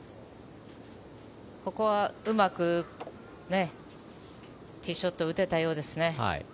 ここはうまくティーショットを打てたようですね。